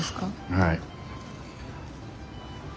はい。